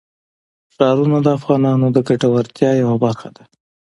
ښارونه د افغانانو د ګټورتیا یوه برخه ده.